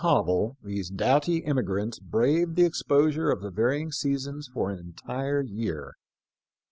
2 1 hovel these doughty emigrants braved the exposure of the varying seasons for an entire year.